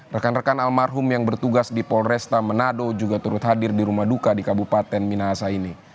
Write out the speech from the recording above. rekan rekan almarhum yang bertugas di polresta manado juga turut hadir di rumah duka di kabupaten minahasa ini